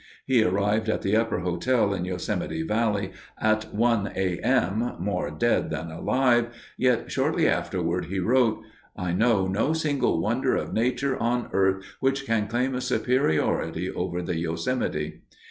He arrived at the Upper Hotel in Yosemite Valley at 1:00 A.M., more dead than alive, yet shortly afterward he wrote, "I know no single wonder of Nature on earth which can claim a superiority over the Yosemite."